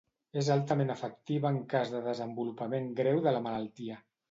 És altament efectiva en cas de desenvolupament greu de la malaltia.